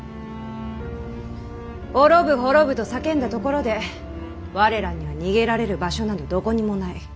滅ぶ滅ぶと叫んだところで我らには逃げられる場所などどこにもない。